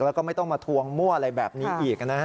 แล้วก็ไม่ต้องมาทวงมั่วอะไรแบบนี้อีกนะฮะ